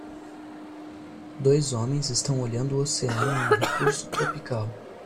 Dois homens estão olhando o oceano em um recurso tropical.